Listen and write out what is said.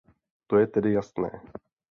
To je tedy jasné.